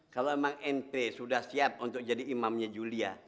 kalau memang ente sudah siap untuk jadi imamnya julia